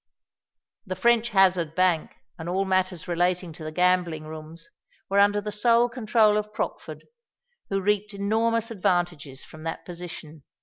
The French Hazard Bank and all matters relating to the gambling rooms were under the sole control of Crockford, who reaped enormous advantages from that position.